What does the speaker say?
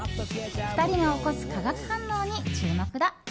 ２人が起こす化学反応に注目だ。